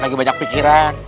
lagi banyak pikiran